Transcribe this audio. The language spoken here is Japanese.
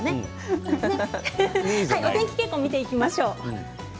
お天気傾向を見ていきましょう。